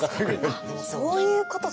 あっそういうことか！